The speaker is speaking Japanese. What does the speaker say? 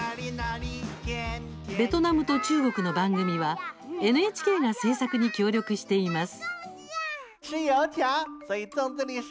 ベトナムと中国の番組はＮＨＫが制作に協力しています。